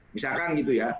misalkan gitu ya